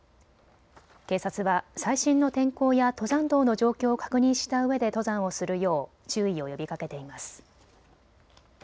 警察は最新の天候や登山道の状況を確認したうえで登山をするよう注意を呼びかけています。